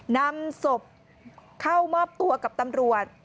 นำศพเข้ามอบตัวกับตำรวจ